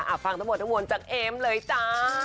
อ่าฟังทั้งหมดทั้งหมดจากเอมเลยจ๊ะ